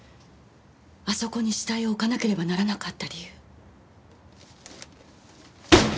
あそこに死体を置かなければならなかった理由。